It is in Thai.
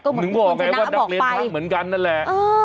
ก็เหมือนที่คุณชนะบอกไปนึกว่าไงว่านักเรียนทักเหมือนกันนั่นแหละ